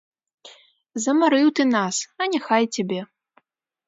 Замарыў ты нас, а няхай цябе!